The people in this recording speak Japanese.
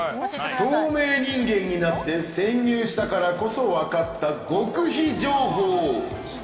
透明人間になって潜入したからこそ分かった極秘情報を。